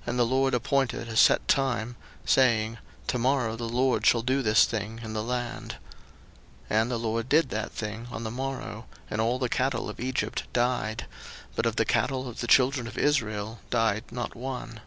02:009:005 And the LORD appointed a set time, saying, To morrow the LORD shall do this thing in the land. 02:009:006 And the LORD did that thing on the morrow, and all the cattle of Egypt died: but of the cattle of the children of Israel died not one.